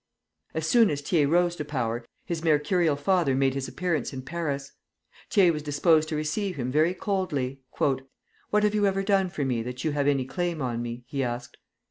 As soon as Thiers rose to power his mercurial father made his appearance in Paris. Thiers was disposed to receive him very coldly. "What have you ever done for me that you have any claim on me?" he asked.